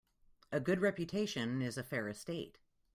A good reputation is a fair estate.